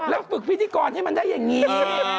แล้วฝึกพิธีกรให้มันได้อย่างนี้